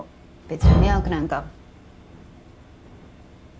別に迷惑なんか。